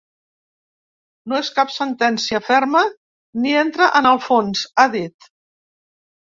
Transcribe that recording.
No és cap sentència ferma ni entra en el fons, ha dit.